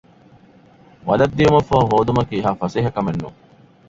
ވަލަށް ދިޔުމަށްފަހު ހޯދުމަކީ އެހާ ފަސޭހަކަމެއްނޫން